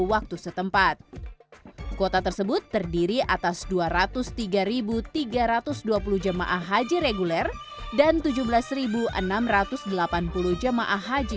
waktu setempat kuota tersebut terdiri atas dua ratus tiga tiga ratus dua puluh jemaah haji reguler dan tujuh belas enam ratus delapan puluh jemaah haji